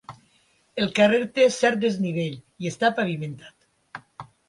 El carrer té cert desnivell i està pavimentat.